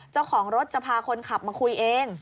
เจ้าของรถจะพาคนขับมาคุยเอง